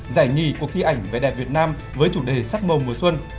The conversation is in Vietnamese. giải nhì cuộc thi ảnh vẻ đẹp việt nam với chủ đề sắc màu mùa xuân